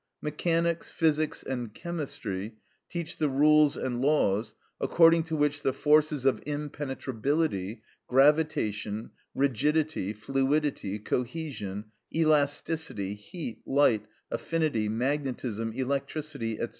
Mechanics, physics, and chemistry teach the rules and laws according to which the forces of impenetrability, gravitation, rigidity, fluidity, cohesion, elasticity, heat, light, affinity, magnetism, electricity, &c.